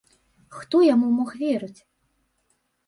Хто яму мог верыць?